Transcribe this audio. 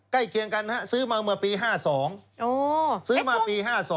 เคียงกันซื้อมาเมื่อปี๕๒ซื้อมาปี๕๒